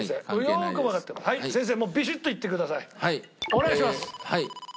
お願いします。